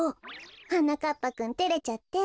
はなかっぱくんてれちゃって。